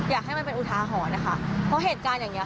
อยากให้มันเป็นอุทาหรณ์นะคะเพราะเหตุการณ์อย่างเงี้